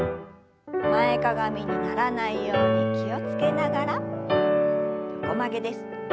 前かがみにならないように気を付けながら横曲げです。